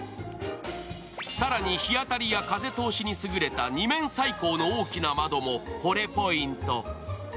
更に、日当たりや風通しに優れた２面採光の大きな窓はもほれポイント。